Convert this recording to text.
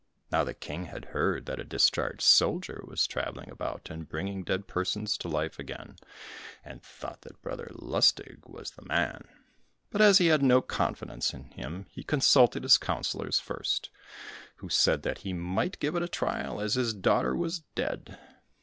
Now the King had heard that a discharged soldier was traveling about and bringing dead persons to life again, and thought that Brother Lustig was the man; but as he had no confidence in him, he consulted his councillors first, who said that he might give it a trial as his daughter was dead.